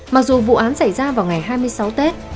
mặc dù vụ án xảy ra vào ngày hai mươi sáu tết